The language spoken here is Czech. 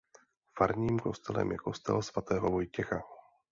Farním kostelem je kostel svatého Vojtěcha.